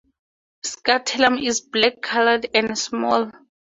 Scutellum is black colored and small.